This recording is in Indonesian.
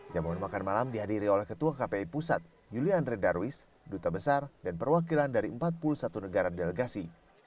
jamuan makan malam dihadiri oleh ketua kpi pusat julian redarwis duta besar dan perwakilan dari empat puluh satu negara delegasi